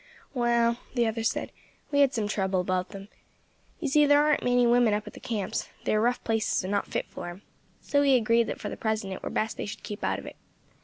"Well," the other said, "we had some trouble about them. You see thar ain't many women up at the camps, they are rough places, and not fit for them. So we agreed that for the present it were best they should keep out of it.